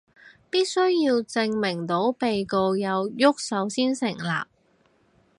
必須要證明到被告有郁手先成立